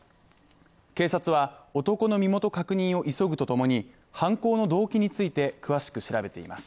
警察は男の身元確認を急ぐとともに犯行の動機について詳しく調べています。